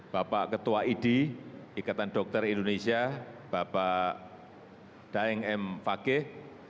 bapak ketua idi ikatan dokter indonesia bapak daeng m fakih